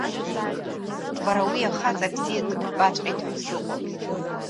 Бара уи ахаҵа бзиа дыббаҵәҟьеит ҳәа сыҟоуп…